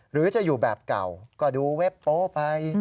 หรือจะอยู่แบบเก่าก็ดูเว็บโป๊ไป